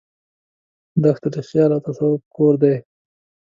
دښته د خیال او تصوف کور دی.